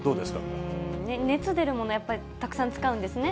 熱出るもの、やっぱりたくさん使うんですね。